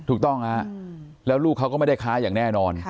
ถูกต้องฮะแล้วลูกเขาก็ไม่ได้ค้าอย่างแน่นอน